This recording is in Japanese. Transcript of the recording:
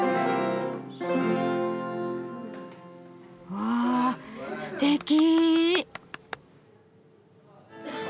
わあすてき。